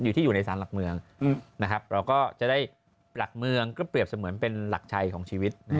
อยู่ในสารหลักเมืองนะครับเราก็จะได้หลักเมืองก็เปรียบเสมือนเป็นหลักชัยของชีวิต